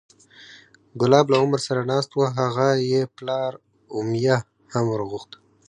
کلاب له عمر سره ناست و هغه یې پلار امیة هم وورغوښت،